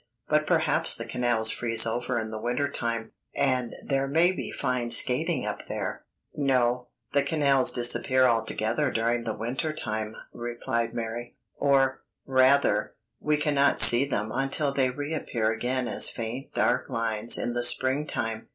But perhaps the canals freeze over in the winter time, and there may be fine skating up there?" [Illustration: CANALS OF MARS (LOWELL).] "No, the canals disappear altogether during the winter time," replied Mary; "or, rather, we cannot see them until they reappear again as faint dark lines in the spring time.